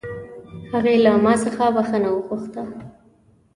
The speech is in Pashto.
هغې له ما څخه بښنه وغوښته